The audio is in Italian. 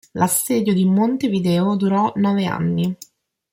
L'assedio di Montevideo durò nove anni.